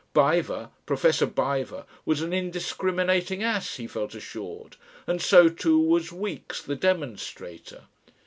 Biver, Professor Biver, was an indiscriminating ass, he felt assured, and so too was Weeks, the demonstrator.